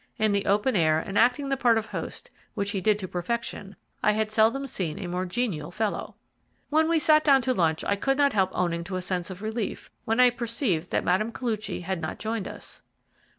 In the open air, and acting the part of host, which he did to perfection, I had seldom seen a more genial fellow. When we sat down to lunch I could not help owning to a sense of relief when I perceived that Mme. Koluchy had not joined us.